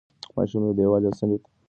ماشوم د دېوال یوې څنډې ته ولوېد.